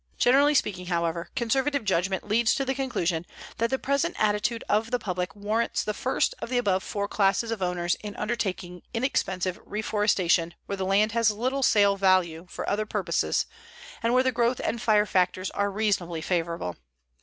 Generally speaking, however, conservative judgment leads to the conclusion that the present attitude of the public warrants the first of the above four classes of owners in undertaking inexpensive reforestation where the land has little sale value for other purposes and where the growth and fire factors are reasonably favorable.